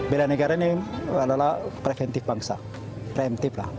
bela negara ini adalah preventif bangsa preventif lah